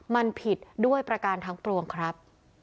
มันผิดด้วยประการทั้งปวงครับ